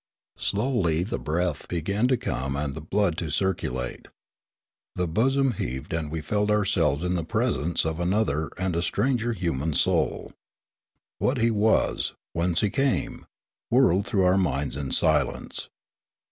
Slowly the breath began to come and the blood to circulate. The bosom heaved and we felt our selves in the presence of another and a stranger human soul. What he was, whence he came, whirled through our minds in silence.